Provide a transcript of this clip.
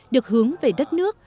được hướng về đất nước